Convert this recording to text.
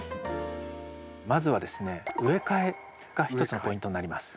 まずはですね植え替えが一つのポイントになります。